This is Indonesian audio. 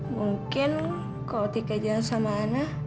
mungkin kalau tika jalan sama anna